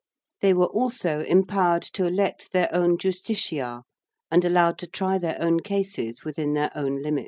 They were also empowered to elect their own justiciar and allowed to try their own cases within their own limits.